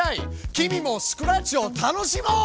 君もスクラッチを楽しもう！